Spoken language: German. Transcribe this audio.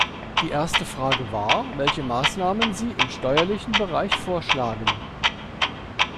Die erste Frage war, welche Maßnahmen Sie im steuerlichen Bereich vorschlagen.